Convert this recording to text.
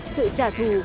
sự trả thù